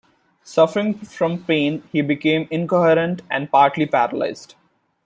Suffering from pain, he became incoherent and partly paralysed.